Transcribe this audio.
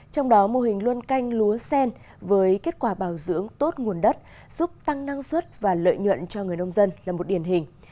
trong đó mô hình luân canh lúa sen với kết quả bảo dưỡng tốt nguồn đất giúp tăng năng suất và lợi nhuận cho người nông dân là một điển hình